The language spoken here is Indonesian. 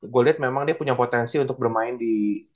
gue lihat memang dia punya potensi untuk bermain di